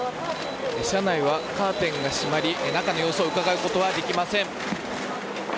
車内はカーテンが閉まり中の様子をうかがうことはできません。